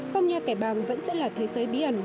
phong nha kẻ bàng vẫn sẽ là thế giới bí ẩn